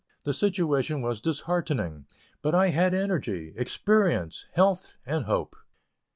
The situation was disheartening, but I had energy, experience, health and hope.